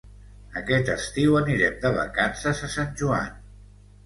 Aquest estiu anirem de vacances a Sant Joan.